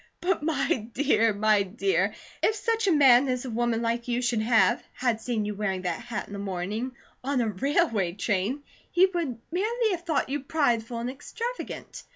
"But my dear, my dear! If such a man as a woman like you should have, had seen you wearing that hat in the morning, on a railway train, he would merely have thought you prideful and extravagant.